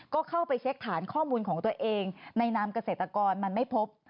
ก็เข้าไปเช็คฐานข้อมูลของตัวเองในนามเกษตรกรมันไม่พบ